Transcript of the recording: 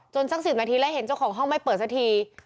สัก๑๐นาทีแล้วเห็นเจ้าของห้องไม่เปิดสักที